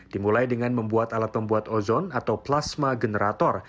dimulai dengan membuat alat pembuat ozon atau plasma generator